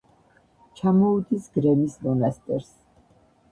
ჩამოუდის გრემის მონასტერს.